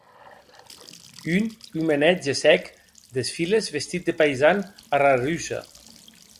Un omenet gessec des files vestit de paisan ara russa.